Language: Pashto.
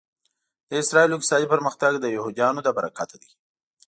د اسرایلو اقتصادي پرمختګ د یهودیانو له برکته دی